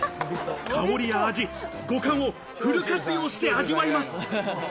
香りや味、五感をフル活用して味わいます。